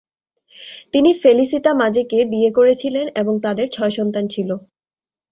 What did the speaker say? তিনি ফেলিসিতা মাজেকে বিয়ে করেছিলেন এবং তাদের ছয় সন্তান ছিল।